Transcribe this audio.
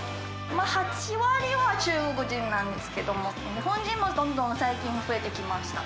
８割は中国人なんですけれども、日本人もどんどん最近、増えてきました。